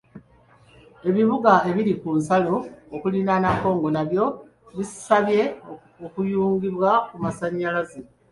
Ebibuga ebiri ku nsalo okulirana Congo nabyo bisabye okuyungibwa ku masannyalaze.